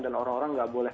dan orang orang nggak boleh